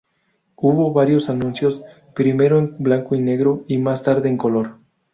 Hubo varios anuncios, primero en blanco y negro, más tarde en color.